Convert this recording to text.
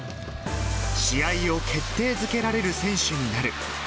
試合を決定づけられる選手になる。